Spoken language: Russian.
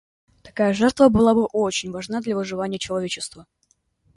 Такая жертва была бы очень важна для выживания человечества.